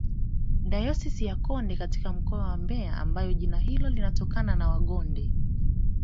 dayosisi ya konde katika mkoa wa mbeya ambapo jina hilo linatonana na wangonde